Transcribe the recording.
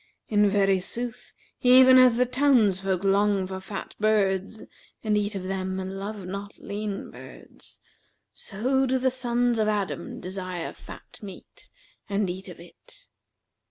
In very sooth even as the townsfolk long for fat birds and eat of them and love not lean birds, so do the sons of Adam desire fat meat and eat of it.